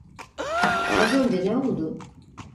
Az önce ne oldu?